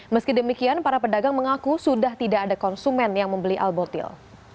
meski demikian para pedagang mengaku sudah tidak ada konsumen yang membeli al botil